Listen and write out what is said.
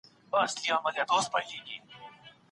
د هغه ګړګړ سو ملامت و .